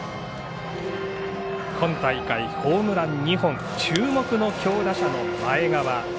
今大会ホームラン２本注目の強打者の前川。